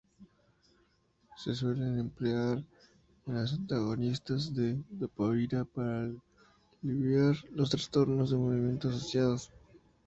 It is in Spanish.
Se suelen emplear los antagonistas de dopamina para aliviar los trastornos de movimiento asociados.